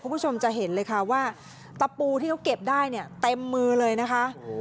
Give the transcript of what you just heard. คุณผู้ชมจะเห็นเลยค่ะว่าตะปูที่เขาเก็บได้เนี่ยเต็มมือเลยนะคะ